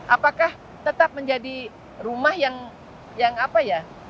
apakah tetap menjadi rumah yang apa ya